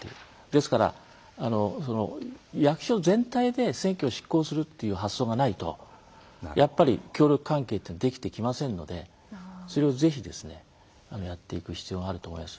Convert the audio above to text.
ですから役所全体で選挙を執行するっていう発想がないとやっぱり協力関係というのはできてきませんのでそれをぜひやっていく必要があると思います。